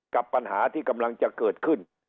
กับปัญหาที่กำลังจะเกิดขึ้น